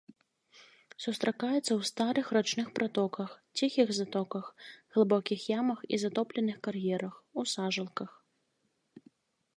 Сустракаецца ў старых рачных пратоках, ціхіх затоках, глыбокіх ямах і затопленых кар'ерах, у сажалках.